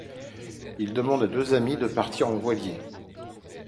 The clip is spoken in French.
Il demande à deux amis de partir en voilier.